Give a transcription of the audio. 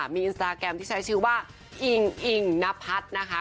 มีอินสตาแกรมที่ใช้ชื่อว่าอิงอิงนพัฒน์นะคะ